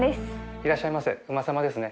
いらっしゃいませ宇間さまですね。